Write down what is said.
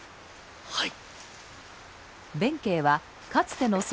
はい。